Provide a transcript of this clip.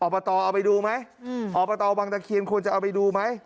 อบตเอาไปดูไหมอบตวังตะเคียนควรจะเอาไปดูไหม